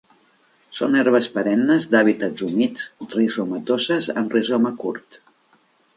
Són herbes perennes d'hàbitats humits, rizomatoses, amb rizoma curt